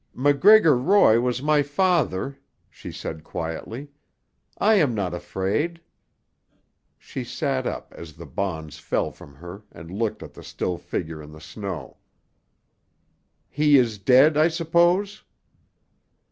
"MacGregor Roy was my father," she said quietly. "I am not afraid." She sat up as the bonds fell from her and looked at the still figure in the snow. "He is dead, I suppose?"